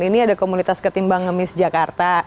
ini ada komunitas ketimbang ngemis jakarta